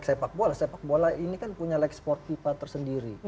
sepak bola sepak bola ini kan punya lag sport pipa tersendiri